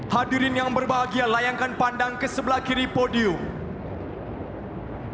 hadirin yang berbahagia layangkan pandang ke sebelah kiri podium